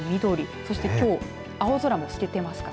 そして、きょう青空も透けていますから。